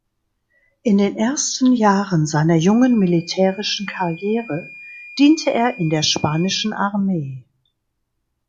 In den ersten Jahren seiner jungen militärischen Karriere diente er in der spanischen Armee.